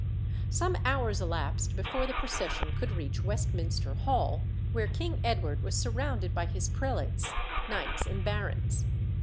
Some hours elapsed before the procession could reach Westminster Hall, where King Edward was surrounded by his prelates, knights, and barons.